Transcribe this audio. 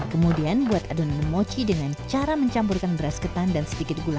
kemudian buat adonan memoci dengan cara mencampurkan beras ketan dan sedikit gula